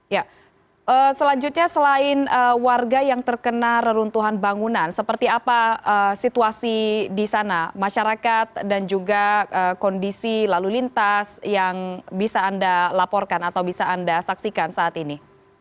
ya selanjutnya selain warga yang terkena reruntuhan bangunan seperti apa situasi di sana masyarakat dan juga kondisi lalu lintas yang bisa anda laporkan atau bisa anda saksikan saat ini